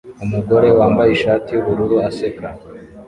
Umugore wambaye ishati yubururu aseka